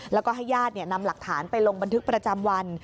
แล้วก็ให้ญาตินำหลักฐานไปลงบันทึกประจำวัน